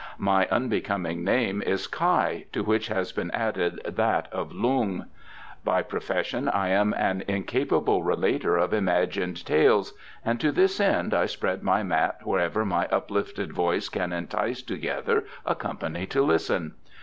"My unbecoming name is Kai, to which has been added that of Lung. By profession I am an incapable relater of imagined tales, and to this end I spread my mat wherever my uplifted voice can entice together a company to listen.